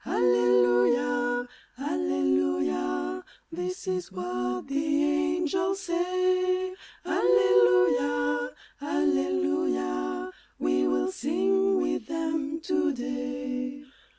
Alleluia, alleluia, this is what the angels say : Alleluia, Alleluia, we will sing with them to day.